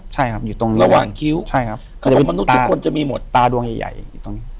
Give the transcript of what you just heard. ใช่ครับอยู่ตรงระหว่างคิ้วใช่ครับเขาบอกมนุษย์ทุกคนจะมีหมดตาดวงใหญ่ใหญ่อยู่ตรงนี้